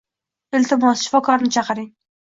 Iltimos, shifokorni chaqiring.